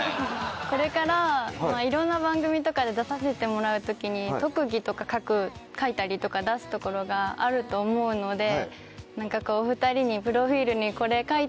これからいろんな番組とかで出させてもらう時に特技とか書いたりとか出すところがあると思うので。